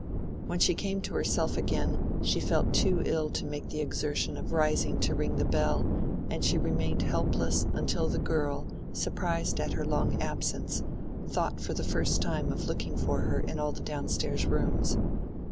When she came to herself again, she felt too ill to make the exertion of rising to ring the bell, and she remained helpless until the girl, surprised at her long absence, thought for the first time of looking for her in all the down stairs rooms.